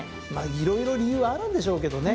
色々理由はあるんでしょうけどね。